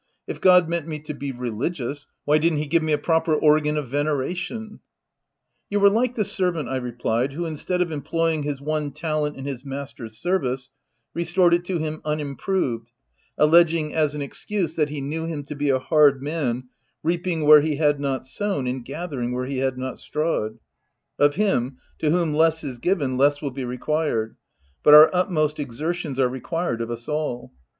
u If God meant me to be religious, why didn't he give me a proper organ of veneration V " You are like the servant," I replied, " who instead of employing his one talent in his master's service, restored it to him unimproved, alleging, as an excuse, that he knew him ' to be a hard man, reaping where he had not sown and gathering where he had not strawed.' Of him, to whom less is given, less will be re quired ; but our utmost exertions are required of us all.